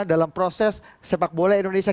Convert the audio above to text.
dalam proses sepak bola indonesia